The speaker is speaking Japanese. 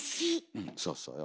うんそうそうよ。